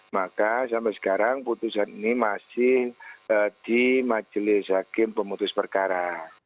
maka sampai sekarang putusan ini masih di majelis hakim pemutus perkara